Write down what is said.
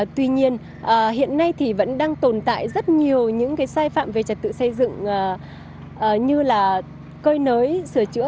tuy nhiên hiện nay thì vẫn đang tồn tại rất nhiều những sai phạm về trật tự xây dựng như là cơi nới sửa chữa